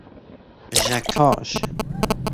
ژکاژ